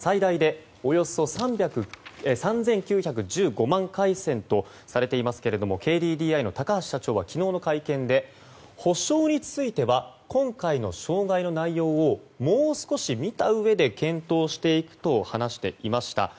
今回通信障害の影響が出たのは最大でおよそ３９１５万回線とされていますがＫＤＤＩの高橋社長は昨日の会見で補償については今回の障害の内容をもう少し見たうえで検討していくと話していました。